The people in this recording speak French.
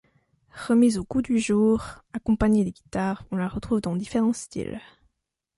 Remise au goût du jour, accompagnée de guitare, on la retrouve dans différents styles.